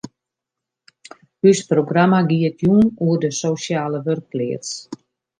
Us programma giet jûn oer de sosjale wurkpleats.